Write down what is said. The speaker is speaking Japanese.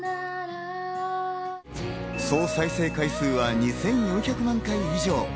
総再生回数は２４００万回以上。